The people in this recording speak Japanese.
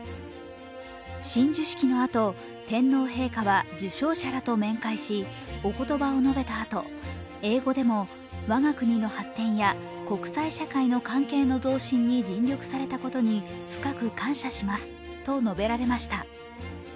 親授式のあと天皇陛下は受章者らと面会し、おことばを述べたあと、英語でも我が国の発展や国際社会の関係の増進に尽力されたことに深く感謝しますと述べられました。